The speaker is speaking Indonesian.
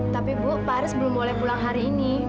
tapi bu pak haris belum boleh pulang hari ini